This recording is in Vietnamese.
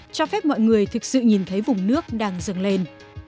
cho phép mọi người thực sự nhìn thấy vùng nước đang dâng lên